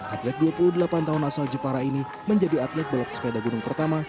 ajak dua puluh delapan tahun asal jepara ini menjadi atlet balap sepeda gunung pertama